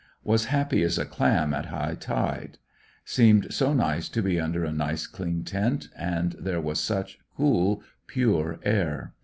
Was happy as a cUim in high tide. Seairijd so nice to be under a nice clean tent, and there was such cool pure air.